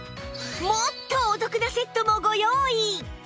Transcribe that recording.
もっとお得なセットもご用意！